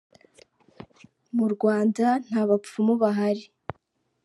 Mu Rwanda nta bapfumu bahari …’.